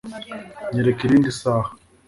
nyereka irindi saha